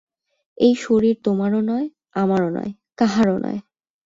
এই শরীর তোমারও নয়, আমারও নয়, কাহারও নয়।